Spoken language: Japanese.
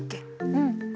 うん。